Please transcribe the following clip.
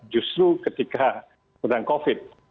justru ketika perdagangan covid